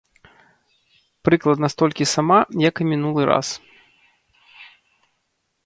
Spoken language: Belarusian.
Прыкладна столькі сама, як і мінулы раз.